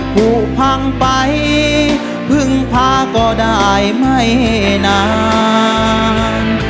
ผูกพังไปพึ่งพาก็ได้ไม่นาน